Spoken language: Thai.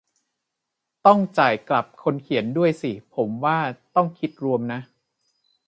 ต้องจ่ายกลับคนเขียนด้วยสิ ผมว่าต้องคิดรวมนะ